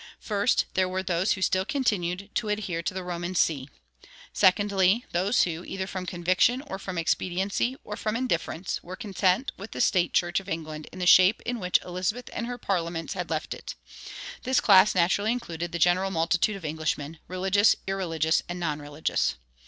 First, there were those who still continued to adhere to the Roman see. Secondly, those who, either from conviction or from expediency or from indifference, were content with the state church of England in the shape in which Elizabeth and her parliaments had left it; this class naturally included the general multitude of Englishmen, religious, irreligious, and non religious.